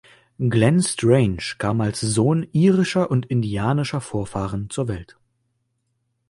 Glenn Strange kam als Sohn irischer und indianischer Vorfahren zur Welt.